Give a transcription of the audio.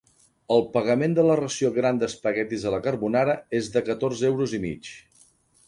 El pagament de la ració gran d'espaguetis a la carbonara és de catorze euros i mig.